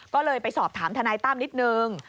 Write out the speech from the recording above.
ก็เลยไปสอบถามทนายตั้มนิดนึง